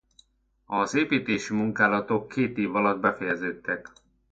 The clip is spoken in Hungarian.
Az építési munkálatok két év alatt befejeződtek.